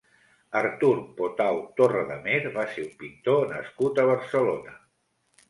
Artur Potau Torredemer va ser un pintor nascut a Barcelona.